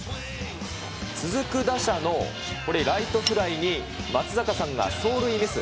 続く打者の、これ、ライトフライに松坂さんが走塁ミス。